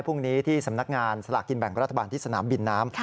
พรุ่งนี้ที่สำนักงานสลากกินแบ่งรัฐบาลที่สนามบินน้ำ